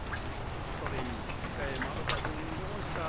それに引きかえまどか君どうした？